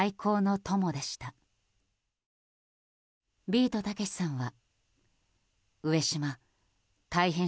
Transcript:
ビートたけしさんは。